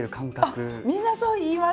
あっみんなそう言いますね。